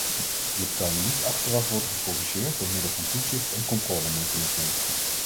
Dit kan niet achteraf worden gecorrigeerd door middel van toezicht- en controlemechanismen.